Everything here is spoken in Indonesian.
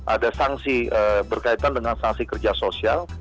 ada sanksi berkaitan dengan sanksi kerja sosial